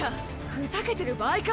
ふざけてる場合か？